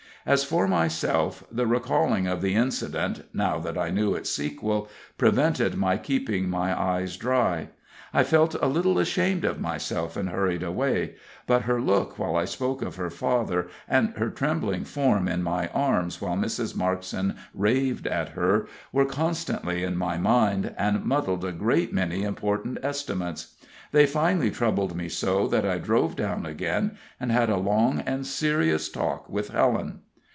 As for myself, the recalling of the incident, now that I knew its sequel, prevented my keeping my eyes dry. I felt a little ashamed of myself and hurried away, but her look while I spoke of her father, and her trembling form in my arms while Mrs. Markson raved at her, were constantly in my mind, and muddled a great many important estimates. They finally troubled me so that I drove down again and had a long and serious talk with Helen.